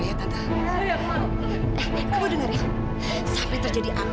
iya tapi bapak jangan sakit lagi ya